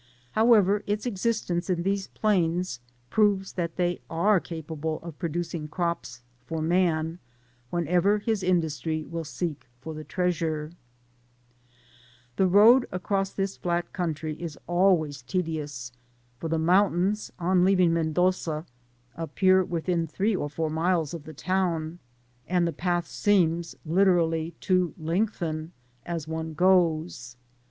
However, its existence in these plains proves that they are capable of pro . ducing crops for man, whenever his industry shall seek for the treasure. The road across this flat country is always tedious; for the mountains, on leaving Mendoza, appear within three or four miles of the town, and Digitized byGoogk THE GREAT CORDILLKUA. 133 the path seems literally to lengthen as oiie goes.